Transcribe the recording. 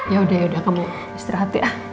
yaudah yaudah kamu istirahat ya